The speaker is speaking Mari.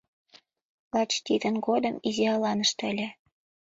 Лач тидын годым изи аланыште ыле.